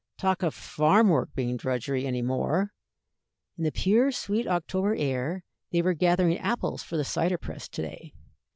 Talk of farm work being drudgery any more! In the pure, sweet October air they were gathering apples for the cider press to day.